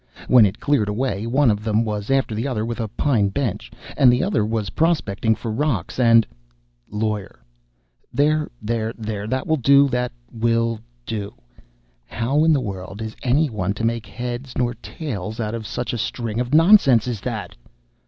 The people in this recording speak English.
When it cleared away, one of them was after the other with a pine bench, and the other was prospecting for rocks, and " LAWYER. "There, there, there that will do that will do! How in the world is any one to make head or tail out of such a string of nonsense as that?